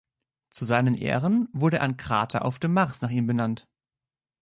Zu seinen Ehren wurde ein Krater auf dem Mars nach ihm benannt.